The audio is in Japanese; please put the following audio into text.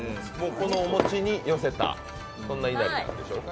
このお餅に寄せたいなりなんでしょうか